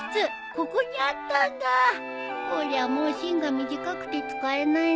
こりゃもう芯が短くて使えないね。